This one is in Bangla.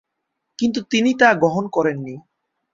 কিন্তু তিনি তা গ্রহণ করেননি।